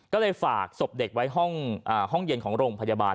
ก็เลยฝากศพเด็กไว้ห้องเย็นของโรงพยาบาล